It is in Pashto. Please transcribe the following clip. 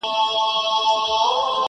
پر لکړه رېږدېدلی!.